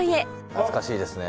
懐かしいですね。